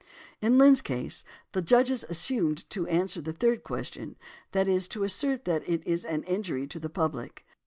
"In Lynn's case, the judges assumed to answer the third question, that is to assert that it is an injury to the public.